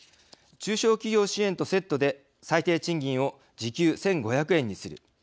中小企業支援とセットで最低賃金を時給１５００円にする。